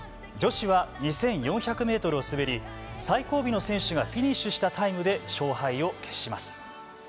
女子は２４００メートルを滑り最後尾の選手がフィニッシュしたタイムで勝敗を決します。